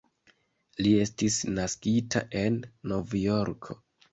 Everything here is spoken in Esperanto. Li estis naskita en Novjorko.